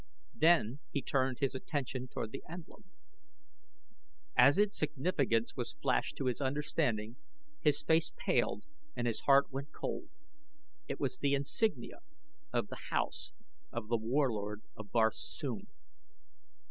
Then he turned his attention toward the emblem. As its significance was flashed to his understanding his face paled and his heart went cold it was the insignia of the house of The Warlord of Barsoom.